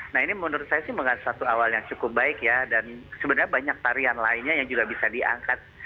nah ini menurut saya sih bukan satu awal yang cukup baik ya dan sebenarnya banyak tarian lainnya yang juga bisa diangkat